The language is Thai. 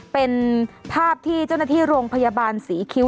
เป็นภาพที่เจ้าหน้าที่โรงพยาบาลศรีคิ้ว